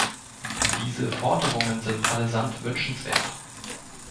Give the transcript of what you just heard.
Diese Forderungen sind allesamt wünschenswert.